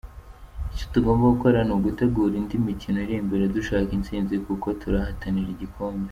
Icyo tugomba gukora ni ugutegura indi mikino iri imbere dushaka intsinzi kuko turahatanira igikombe.